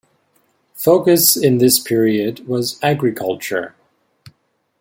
Focus in this period was agriculture.